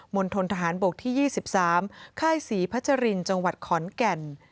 ณฑนทหารบกที่๒๓ค่ายศรีพัชรินจังหวัดขอนแก่น